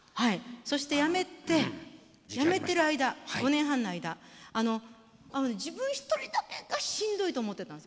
そしてやめてやめてる間５年半の間あのあのね自分一人だけがしんどいと思ってたんです。